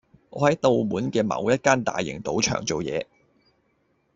我喺澳門嘅某一間大型賭場做嘢